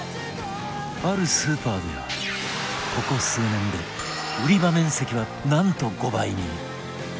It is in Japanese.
あるスーパーではここ数年で売り場面積はなんと５倍に